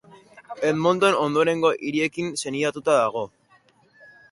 Edmonton ondorengo hiriekin senidetuta dago.